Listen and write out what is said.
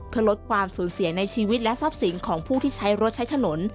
เพื่อลดความสูญเสียในชีวิตและทรัพย์สินของผู้ที่ใช้รถใช้ถนน